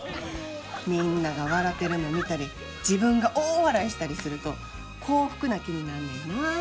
みんなが笑てるの見たり自分が大笑いしたりすると幸福な気になんねんな。